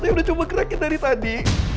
ini saya coba gerakin dari tadi